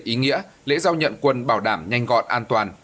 ý nghĩa lễ giao nhận quân bảo đảm nhanh gọn an toàn